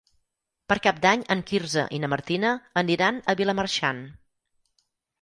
Per Cap d'Any en Quirze i na Martina aniran a Vilamarxant.